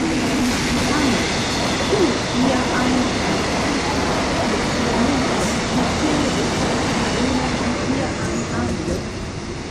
Tamen: ĉu ia ajn naciisma ekstremulo surtere estas pli bona ol ia ajn anglo?